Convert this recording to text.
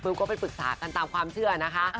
ก็ไปปรึกษากันตามความเชื่อนะคะ